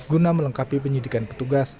guna melengkapi penyelidikan petugas